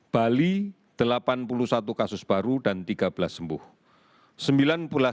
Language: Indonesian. bali delapan puluh satu kasus baru dan tiga belas sembuh